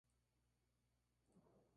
que ella no partiese